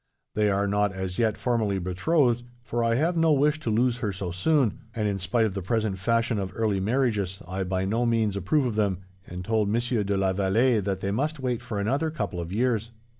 They are not, as yet, formally betrothed, for I have no wish to lose her so soon; and, in spite of the present fashion of early marriages, I by no means approve of them, and told Monsieur de la Vallee that they must wait for another couple of years.